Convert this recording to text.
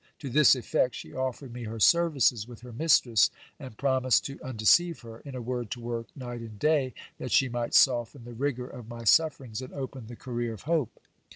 To this effect, she offered me her services with her mistress, and promised to undeceive her ; in a word, to work night and day, that she might soften the rigour of my sufferings, and open the career of hope.